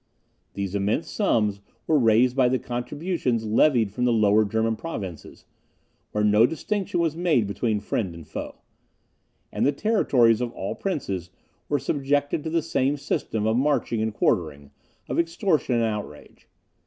These immense sums were raised by the contributions levied from the lower German provinces, where no distinction was made between friend and foe; and the territories of all princes were subjected to the same system of marching and quartering, of extortion and outrage.